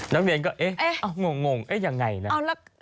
น้องเรียนก็เอ๊ะงงเอ๊ะยังไงเนี่ย